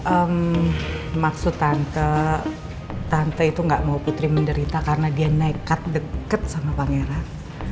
ehm maksud tante tante itu gak mau putri menderita karena dia nekat deket sama pangeran